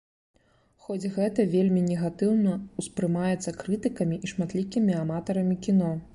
Хоць гэта вельмі негатыўна ўспрымаецца крытыкамі і шматлікімі аматарамі кіно.